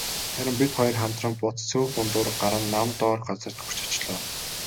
Харин бид хоёр хамтран бут сөөг дундуур гаран нам доор газарт хүрч очлоо.